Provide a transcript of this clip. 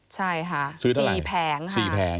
ใช่ค่ะ๔แผงค่ะ